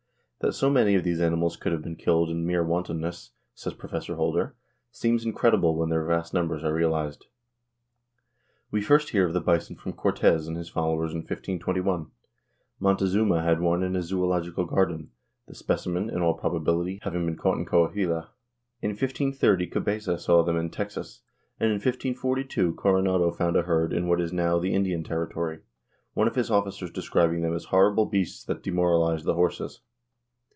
That so many of these animals could have been killed in mere wantonness, says Prof. Holder, seems incredible when their vast numbers are realized. We first hear of the bison from Cortez and his followers in 1521. Montezuma had one in a zoölogical garden, the specimen, in all probability, having been caught in Coahuila. In 1530 Cabeza saw them in Texas, and in 1542 Coronado found a herd in what is now the Indian Territory, one of his officers describing them as horrible beasts that demoralized the horses.